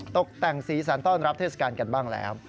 ตกแต่งสีสันต้อนรับเทศกาลกันบ้างแล้ว